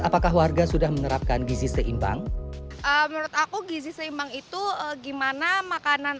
apakah warga sudah menerapkan gizi seimbang menurut aku gizi seimbang itu gimana makanan